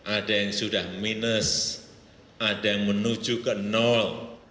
ada yang sudah minus ada yang menuju ke nol